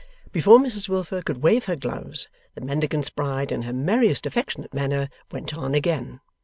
Before Mrs Wilfer could wave her gloves, the Mendicant's bride in her merriest affectionate manner went on again.